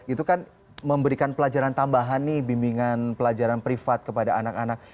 itu kan memberikan pelajaran tambahan nih bimbingan pelajaran privat kepada anak anak